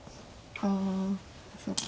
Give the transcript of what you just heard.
あそっか。